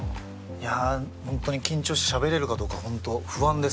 いやあ本当に緊張してしゃべれるかどうか本当不安です。